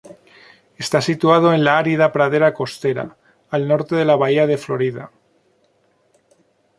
Está situado en la árida pradera costera, al norte de la bahía de Florida.